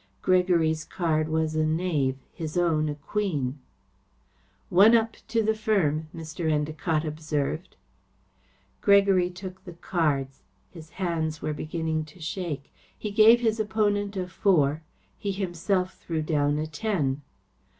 Gregory's card was a knave; his own a queen. "One up to the firm," Mr. Endacott observed. Gregory took the cards. His hands were beginning to shake. He gave his opponent a four. He himself threw down a ten.